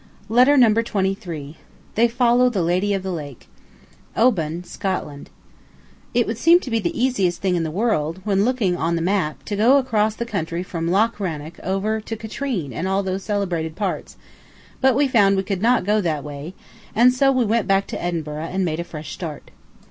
Letter Number Twenty three OBAN, SCOTLAND It would seem to be the easiest thing in the world, when looking on the map, to go across the country from Loch Rannoch over to Katrine and all those celebrated parts, but we found we could not go that way, and so we went back to Edinburgh and made a fresh start.